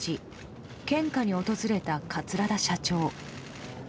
献花に訪れた桂田社長。